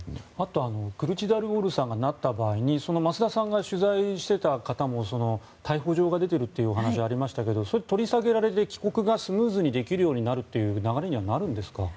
クルチダルオールさんがなった場合に増田さんが取材していた方も逮捕状が出ているというお話がありましたけど取り下げられて帰国がスムーズになる流れにはなるんですか？